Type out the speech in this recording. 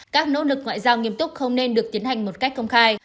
các nỗ lực ngoại giao nghiêm túc không nên được tiến hành một cách công khai